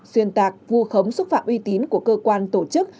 xuyên tạc vua khấm xúc phạm uy tín của cơ quan tổ chức